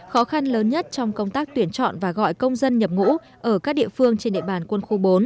khó khăn lớn nhất trong công tác tuyển chọn và gọi công dân nhập ngũ ở các địa phương trên địa bàn quân khu bốn